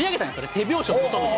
手拍子を求めて。